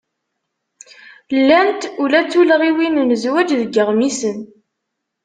Llant ula d tullɣiwin n zzwaǧ deg iɣmisen.